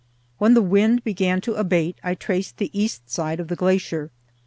When the wind began to abate, I traced the east side of the glacier.